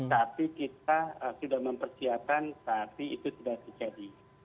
tapi kita sudah mempersiapkan tapi itu tidak terjadi